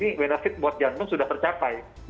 ini benefit buat jantung sudah tercapai